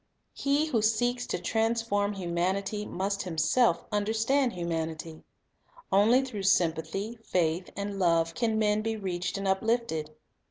He who seeks to transform humanity must himself Sympathy understand humanity. Only through sympathy, faith, and love can men be reached and uplifted.